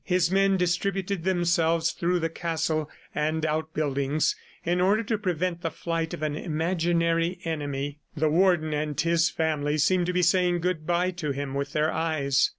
His men distributed themselves through the castle and outbuildings, in order to prevent the flight of an imaginary enemy. The Warden and his family seemed to be saying good bye to him with their eyes.